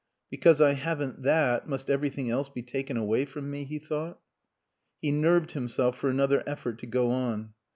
"Because I haven't that, must everything else be taken away from me?" he thought. He nerved himself for another effort to go on.